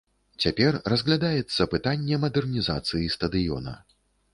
Цяпер разглядаецца пытанне мадэрнізацыі стадыёна.